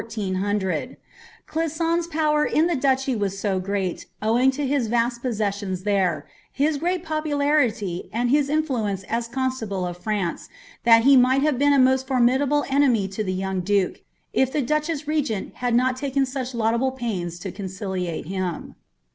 * Gisaon^s power in the duchy was so great, owing to his vast possessions there, his great popularity, and his infiuence as constable of France, that he might have been a most formi dable enemy to the young duke, if the duchess regent had not taken such laudable pains to conciliate him.'